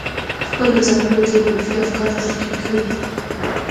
خپلو ځانونو ته يې منفي افکار تلقين کړي دي.